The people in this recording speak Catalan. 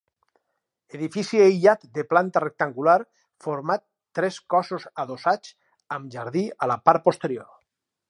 Edifici aïllat de planta rectangular, format tres cossos adossats, amb jardí a la part posterior.